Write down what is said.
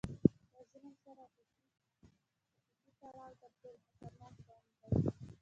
له ظالم سره عاطفي تړاو تر ټولو خطرناک بند دی.